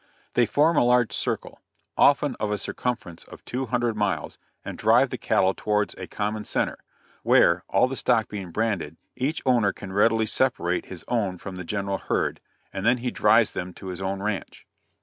They form a large circle, often of a circumference of two hundred miles, and drive the cattle towards a common centre, where, all the stock being branded, each owner can readily separate his own from the general herd, and then he drives them to his own ranch.